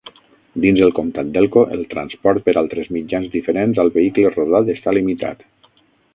Dins el comtat d'Elko, el transport per altres mitjans diferents al vehicle rodat està limitat.